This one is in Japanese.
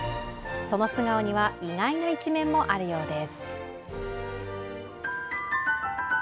その素顔には意外な一面もあるようです。